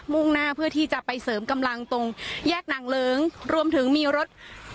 ่งหน้าเพื่อที่จะไปเสริมกำลังตรงแยกนางเลิ้งรวมถึงมีรถ